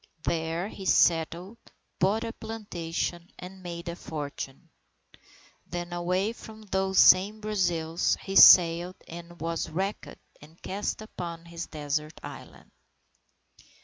There he settled, bought a plantation and made a fortune. Then, away from those same Brazils, he sailed and was wrecked and cast upon his Desert Island.